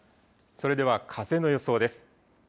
それでは風の予想です。